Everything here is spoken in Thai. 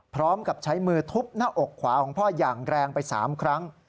พร้อมกับใช้มือทุบหน้าอกขวาของพ่ออย่างแรงไป๓ครั้ง